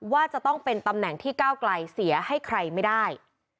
ว่าจะต้องเป็นตำแหน่งที่ก้าวไกลเสียให้ใครไม่ได้